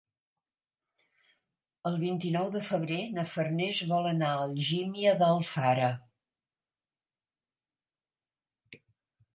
El vint-i-nou de febrer na Farners vol anar a Algímia d'Alfara.